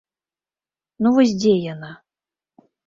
Ну вось дзе яна?